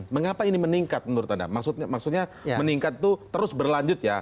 mengapa ini meningkat menurut anda maksudnya meningkat itu terus berlanjut ya